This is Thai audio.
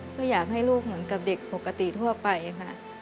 ก็อยากให้ลูกเหมือนกับเด็กปกติทั่วไปค่ะ